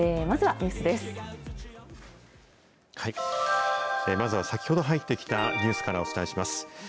まずはニュまずは先ほど入ってきたニュースからお伝えします。